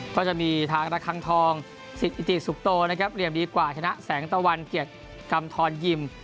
ก็จะมีภาครักษ์ทองศิษย์อิติสุโตะนะครับ